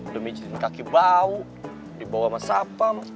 belum icin kaki bau dibawa sama sapa